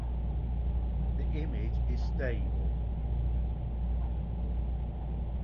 The image is stable.